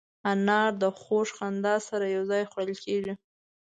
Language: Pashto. انار د خوږ خندا سره یو ځای خوړل کېږي.